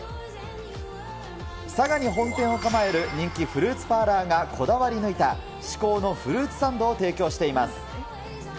佐賀に本店を構える人気フルーツパーラーがこだわり抜いた、至高のフルーツサンドを提供しています。